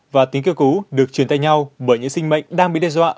và tính kêu cứu được truyền tay nhau bởi những sinh mệnh đang bị đe dọa